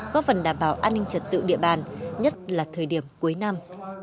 có phần đảm bảo an ninh trật tự địa bàn nhất là thời điểm cuối năm